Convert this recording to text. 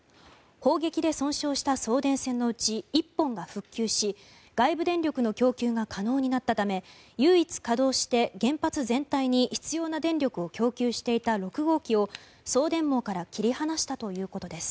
砲撃で損傷した送電線のうち１本が復旧し外部電力の供給が可能になったため唯一稼働して原発全体に必要な電力を供給していた６号機を送電網から切り離したということです。